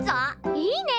いいね！